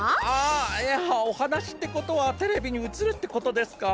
あっいやおはなしってことはテレビにうつるってことですか？